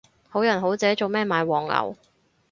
好人好姐做咩買黃牛